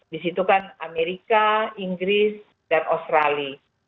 di situ kan amerika inggris dan australia